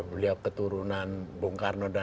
beliau keturunan bung karno dan lain lain